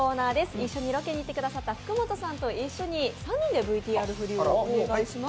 一緒にロケに行ってくださった福本さんと一緒に３人でＶＴＲフリお願いします。